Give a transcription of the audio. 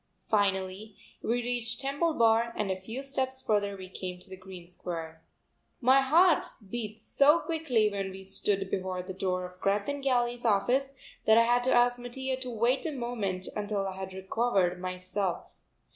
Finally we reached Temple Bar and a few steps further we came to Green Square. My heart heat so quickly when we stood before the door of Greth and Galley's office that I had to ask Mattia to wait a moment until I had recovered myself.